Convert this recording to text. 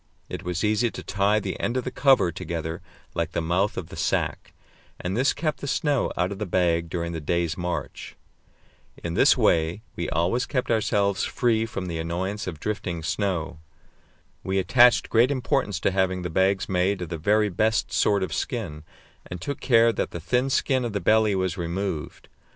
It was easy to tie the end of the cover together like the mouth of the sack, and this kept the snow out of the bag during the day's march. In this way we always kept ourselves free from the annoyance of drifting snow. We attached great importance to having the bags made of the very best sort of skin, and took care that the thin skin of the belly was removed.